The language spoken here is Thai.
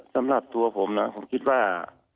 สำหรับตัวผมนะผมคิดว่า